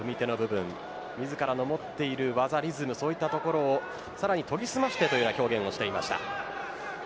自らの持っている技、リズムそういったところをさらに研ぎ澄ましてというような表現をしていました。